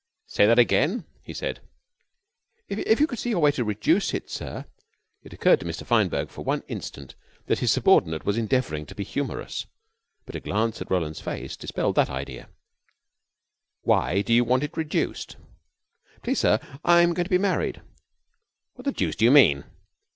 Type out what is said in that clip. "Say that again," he said. "If you could see your way to reduce it, sir " It occurred to Mr. Fineberg for one instant that his subordinate was endeavoring to be humorous, but a glance at Roland's face dispelled that idea. "Why do you want it reduced?" "Please, sir, I'm going to be married." "What the deuce do you mean?"